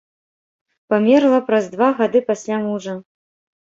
Памерла праз два гады пасля мужа.